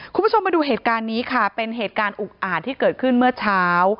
คุณผู้ชมมาดูเหตุการณ์นี้ค่ะเป็นเหตุการณ์อุกอ่านที่เกิดขึ้นเมื่อเช้า